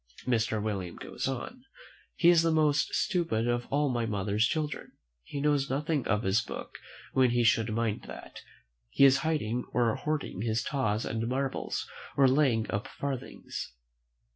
Mr. William goes on, "He is the most stupid of all my mother's children; he knows nothing of his book; when he should mind that, he is hiding or hoarding his taws and marbles, or laying up farthings.